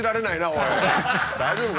大丈夫か？